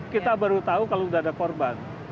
kita baru tahu kalau sudah ada korban